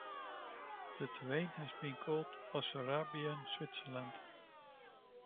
The terrain has been called Basarabian Switzerland.